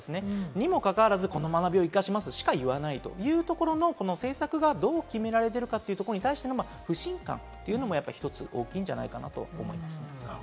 にもかかわらず、この学びを生かしますということしか言わないというところの政策がどう決められているかということに対する不信感も一つ大きいんじゃないかなと思います。